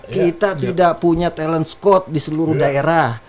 kita punya talent squad di seluruh daerah